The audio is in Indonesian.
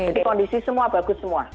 jadi kondisi semua bagus semua